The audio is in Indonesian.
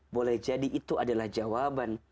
boleh jadi itu adalah jawaban